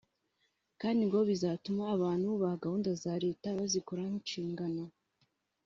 kandi ngo bizanatuma abantu bubaha gahunda za Leta bazikore nk’inshingano